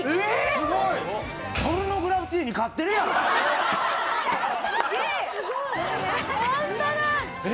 すごい！ポルノグラフィティに勝ってるやん・すげえ！